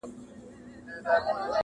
یو پر تا مین یم له هر یار سره مي نه لګي-